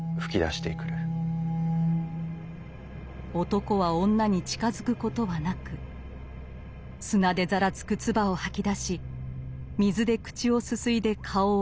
男は女に近づくことはなく砂でざらつく唾を吐き出し水で口をすすいで顔を洗います。